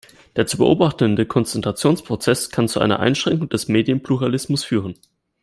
Der zu beobachtende Konzentrationsprozess kann zu einer Einschränkung des Medienpluralismus führen.